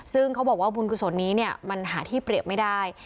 ซึ่งเขาบอกว่าบุญกุศลนี้มันหาที่เปรียบไม่ได้